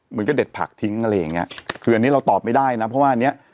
เหมือนกับเด็ดผักทิ้งอะไรอย่างเงี้ยคืออันนี้เราตอบไม่ได้นะเพราะว่าอันเนี้ย